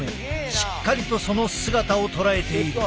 しっかりとその姿を捉えている。